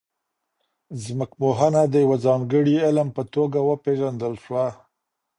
ځمکپوهنه د یو ځانګړي علم په توګه وپیژندل سوه.